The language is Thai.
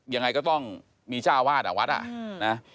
ยังไงก็ต้องมีเจ้าวาดอ่ะวัดอ่ะนะ